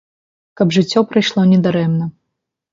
Каб жыццё прайшло не дарэмна.